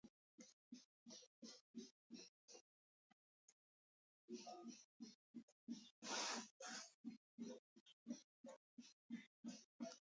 ګلاب د پاک احساس هنداره ده.